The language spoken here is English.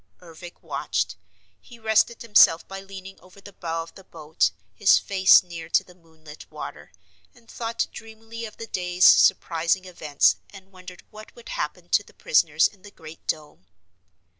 Ervic watched. He rested himself by leaning over the bow of the boat, his face near to the moonlit water, and thought dreamily of the day's surprising events and wondered what would happen to the prisoners in the Great Dome.